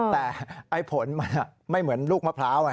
แต่ไอ้ผลมันไม่เหมือนลูกมะพร้าวไง